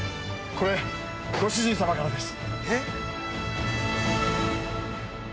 ◆これ、ご主人様からです。